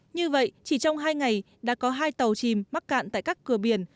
như vậy chỉ trong hai ngày đã có hai tàu chìm mắc cạn tại các cửa biển